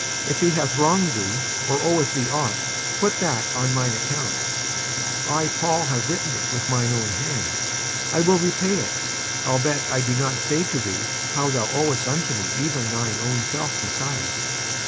57:001:018 If he hath wronged thee, or oweth thee ought, put that on mine account; 57:001:019 I Paul have written it with mine own hand, I will repay it: albeit I do not say to thee how thou owest unto me even thine own self besides.